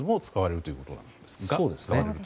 そうですね。